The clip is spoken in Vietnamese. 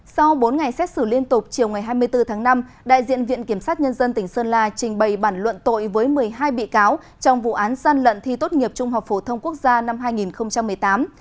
sau bốn ngày xét xử liên tục chiều ngày hai mươi bốn tháng năm đại diện viện kiểm sát nhân dân tỉnh sơn la trình bày bản luận tội với một mươi hai bị cáo trong vụ án gian lận thi tốt nghiệp trung học phổ thông quốc gia năm hai nghìn một mươi tám